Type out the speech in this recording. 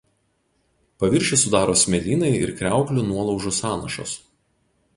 Paviršių sudaro smėlynai ir kriauklių nuolaužų sąnašos.